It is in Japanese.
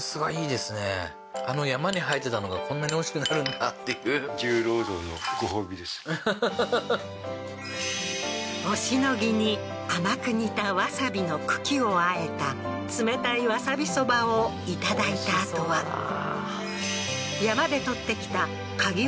はっおしのぎに甘く煮た山葵の茎をあえた冷たい山葵そばをいただいたあとは山で採ってきたかぎ